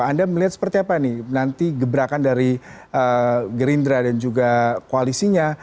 anda melihat seperti apa nih nanti gebrakan dari gerindra dan juga koalisinya